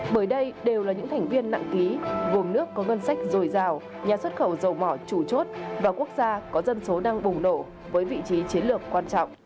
bởi đây đều là những thành viên nặng ký vùng nước có ngân sách dồi dào nhà xuất khẩu dầu mỏ chủ chốt và quốc gia có dân số đang bùng nổ với vị trí chiến lược quan trọng